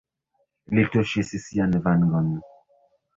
Li tuŝis sian vangon.